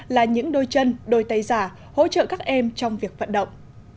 là những đôi chân đôi tay giả hỗ trợ các em trong việc vận động